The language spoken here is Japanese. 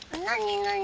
何？